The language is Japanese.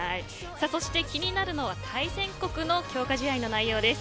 そして気になるのは対戦国の強化試合の内容です。